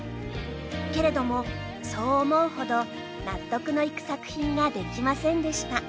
けれどもそう思うほど納得のいく作品ができませんでした。